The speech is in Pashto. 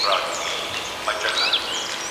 ده د علمي مسايلو لپاره عام فهمه نثر وکاراوه